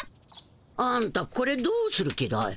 あんたこれどうする気だい？